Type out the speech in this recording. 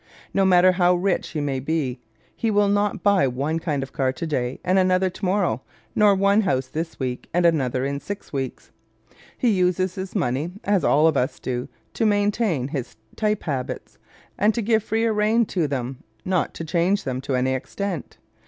No matter how rich he may be he will not buy one kind of car today and another tomorrow, nor one house this week and another in six weeks. He uses his money, as all of us do, to maintain his type habits and to give freer rein to them, not to change them to any extent.